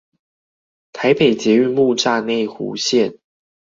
台北捷運木柵內湖線